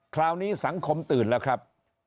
คราวนี้สังคมตื่นแล้วครับ